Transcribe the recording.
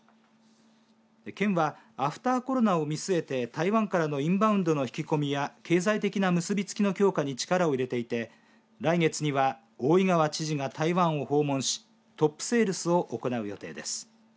県は、アフターコロナを見据えて台湾からのインバウンドの引き込みや経済的な結び付きの強化に力を入れていて来月には大井川知事が台湾を訪問しトップセールスを行う予定です。